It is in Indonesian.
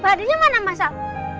badannya mana masam